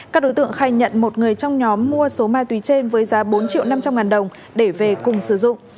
các đối tượng khai nhận một người trong nhóm mua số ma túy trên với giá bốn triệu năm trăm linh ngàn đồng để về cùng sử dụng